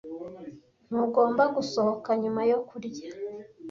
Ntugomba gusohoka nyuma yo kurya.